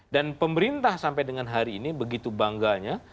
dan pemerintah sampai dengan hari ini begitu bangganya